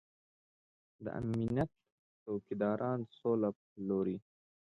د امنيت څوکيداران سوله پلوري.